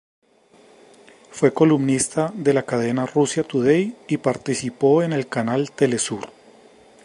Fue columnista de la cadena Russia Today y participó en el canal TeleSur.